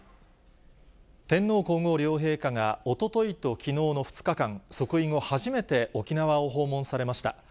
天皇皇后両陛下がおとといときのうの２日間、即位後、初めて沖縄を訪問されました。